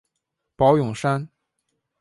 宝永山。